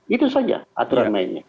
itu saja aturan mainnya